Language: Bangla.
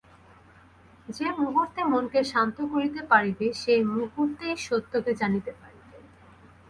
যে-মুহূর্তে মনকে শান্ত করিতে পারিবে, সেই মুহূর্তেই সত্যকে জানিতে পারিবে।